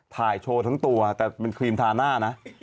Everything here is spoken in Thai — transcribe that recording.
ถ่ายโชว์ทั้งตัวแต่เป็นครีมทาหน้านะ